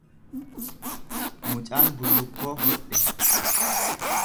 Mucaan bullukkoo hodhe